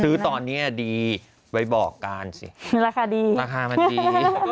ซื้อตอนนี้ดีไว้บอกกันสิราคามันดี